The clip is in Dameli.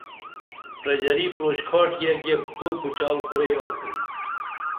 پرژری پُروشکھاٹِیہ گیپ تو پُچال کُرئی آڅن